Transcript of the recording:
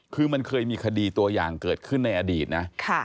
คือมันเคยมีคดีตัวอย่างเกิดขึ้นในอดีตนะ